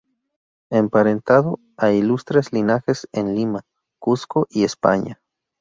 Emparentado a ilustres linajes en Lima, Cuzco y España.